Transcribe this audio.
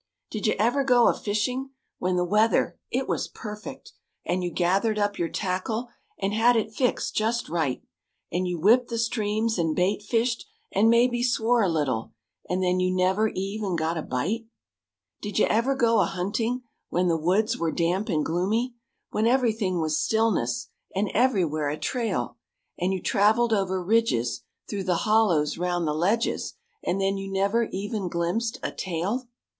Did you ever go a fishing When the weather,—it was perfect! And you gathered up your tackle And had it fixed just right: And you whipped the streams and bait fished And maybe swore a little, And then you never even got a bite? Did you ever go a hunting When the woods were damp and gloomy, Where everything was stillness And everywhere a trail, And you traveled over ridges, Through the hollows, round the ledges And then you never even glimpsed a tail?